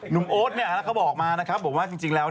หนุ่มโอ๊ตเขาบอกมาว่า